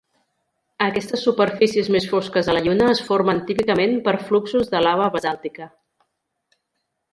Aquestes superfícies més fosques a la Lluna es formen típicament per fluxos de lava basàltica.